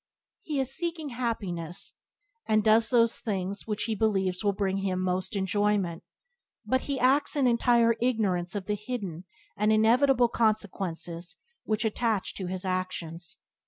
He is seeking happiness, and does those things which he believes will bring him most enjoyment, but he acts in entire ignorance of the hidden and inevitable consequences which attach to his actions.